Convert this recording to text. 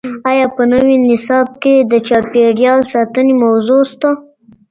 آیا په نوي نصاب کي د چاپیریال ساتنې موضوع سته؟